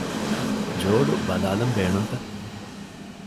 ޖޯޑު ބަލާލަން ބޭނުންތަ؟